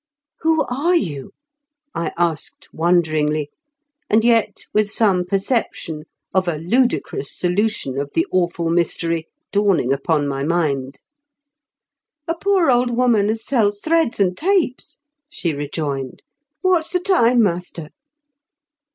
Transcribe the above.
"Who are you?" I asked, wonderingly, and yet with some perception of a ludicrous solution of the awful mystery dawning upon my mind. 242 IN KENT WITH 0HABLE8 BI0KEN8. "A poor old 'oman as sells threads and tapes," she rejoined. "What's the time, master